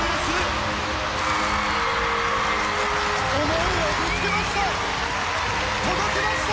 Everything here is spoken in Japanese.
思いをぶつけました！